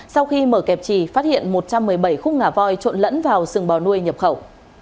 sau khi mở kẹp trì phát hiện một trăm một mươi bảy khúc ngà voi trộn lẫn vào sừng bò nuôi nhập khẩu